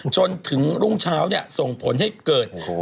จนถึงรุ่งเช้าเนี่ยส่งผลให้เกิด